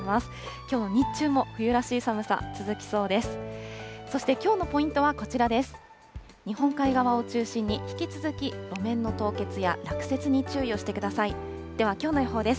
きょうの日中も冬らしい寒さ、続きそうです。